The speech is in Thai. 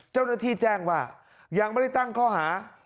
เจ้าหน้าที่แจ้งว่ายังไม่ได้ตั้งข้อหา